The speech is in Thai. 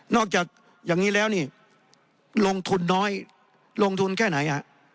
จากอย่างนี้แล้วนี่ลงทุนน้อยลงทุนแค่ไหนฮะ